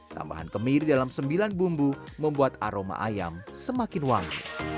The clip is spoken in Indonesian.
tambahan kemiri dalam sembilan bumbu membuat aroma ayam semakin wangi